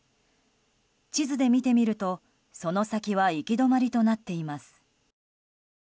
地図で見てみると、その先は行き止まりとなっています。